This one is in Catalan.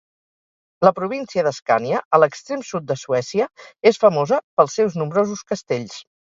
La província d'Escània, a l'extrem sud de Suècia, és famosa pels seus nombrosos castells.